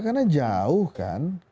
karena jauh kan